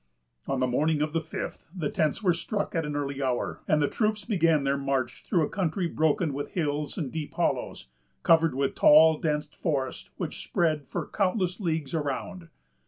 On the morning of the fifth, the tents were struck at an early hour, and the troops began their march through a country broken with hills and deep hollows, covered with the tall, dense forest, which spread for countless leagues around.